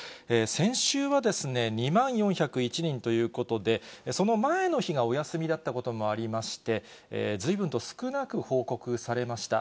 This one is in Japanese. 先週は２万４０１人ということで、その前の日がお休みだったこともありまして、ずいぶんと少なく報告されました。